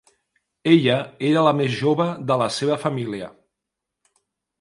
Ella era la més jova de la seva família.